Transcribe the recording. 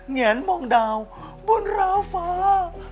แงนมองดาวบนราวฟ้า